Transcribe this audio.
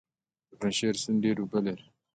د پنجشیر سیند ډیرې اوبه لري